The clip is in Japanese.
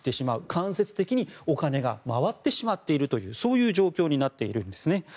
間接的にお金が回ってしまっているというそういう状況になっているんですね。